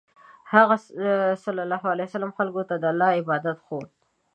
هغه ﷺ خلکو ته د الله عبادت ښوود.